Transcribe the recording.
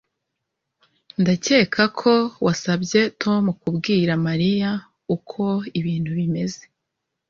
Ndakeka ko wasabye Tom kubwira Mariya uko ibintu bimeze